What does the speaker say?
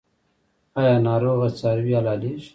آیا ناروغه څاروي حلاليږي؟